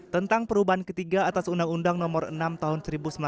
tentang perubahan ketiga atas undang undang nomor enam tahun seribu sembilan ratus sembilan puluh